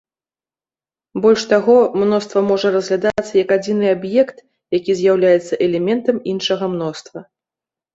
Больш таго, мноства можа разглядацца як адзіны аб'ект, які з'яўляецца элементам іншага мноства.